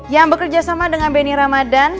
yang bekerjasama dengan bany ramadan